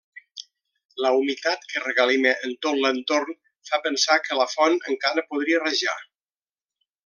La humitat que regalima en tot l'entorn fa pensar que la font encara podria rajar.